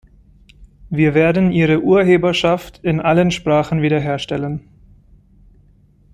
Wir werden Ihre Urheberschaft in allen Sprachen wiederherstellen.